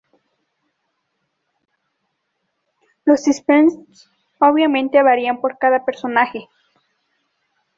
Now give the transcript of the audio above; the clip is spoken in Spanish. Los specials, obviamente, varían por cada personaje.